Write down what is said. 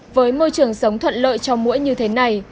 với môi trường sống thuận lợi cho mũi như thế này